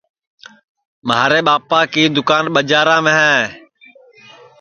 مھارے ٻاپا کی دوکان ٻجارام ہے